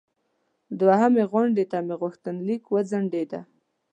دوهمې غونډې ته مې غوښتنلیک وځنډیده.